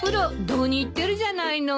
堂に入ってるじゃないの。